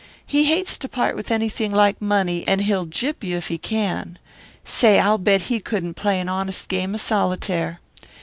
He hates to part with anything like money, and he'll gyp you if he can. Say, I'll bet he couldn't play an honest game of solitaire.